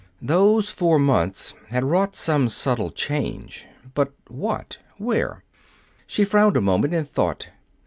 Those four months had wrought some subtle change. But what? Where? She frowned a moment in thought.